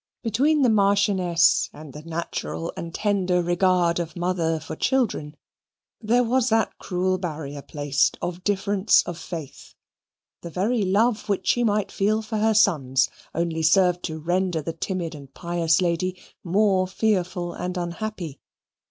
Between the Marchioness and the natural and tender regard of mother for children, there was that cruel barrier placed of difference of faith. The very love which she might feel for her sons only served to render the timid and pious lady more fearful and unhappy.